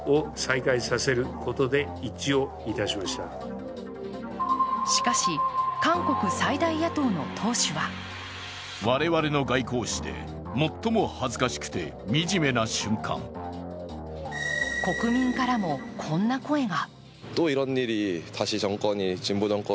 更にはしかし韓国最大野党の党首は国民からも、こんな声が。